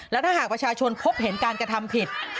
และถ้าหากประชาชนพบเห็นการกระทำผิด